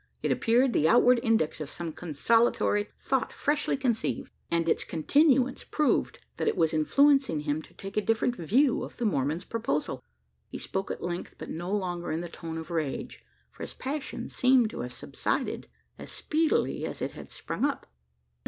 It appeared the outward index of some consolatory thought freshly conceived; and its continuance proved that it was influencing him to take a different view of the Mormon's proposal. He spoke at length; but no longer in the tone of rage for his passion seemed to have subsided, as speedily as it had sprung up.